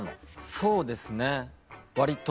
そうですね割と。